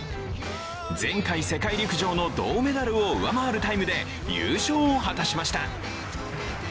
前回世界陸上の銅メダルを上回るタイムで優勝を果たしました。